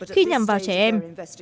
khi nhằm vào trẻ em